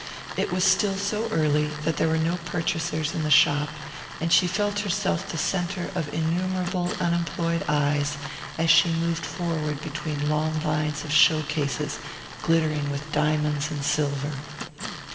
It was still so early that there were no purchasers in the shop, and she felt herself the centre of innumerable unemployed eyes as she moved forward between long lines of show cases glittering with diamonds and silver.